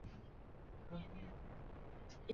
鼠尾草叶荆芥为唇形科荆芥属下的一个种。